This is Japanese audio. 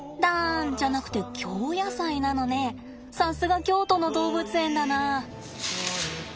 さすが京都の動物園だな。